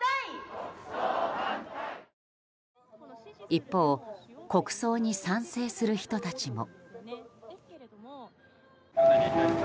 一方国葬に賛成する人たちも。